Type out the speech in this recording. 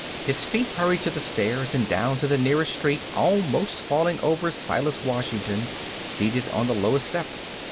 His feet hurried to the stairs and down to the nearest street almost falling over Silas Washington, seated on the lowest step.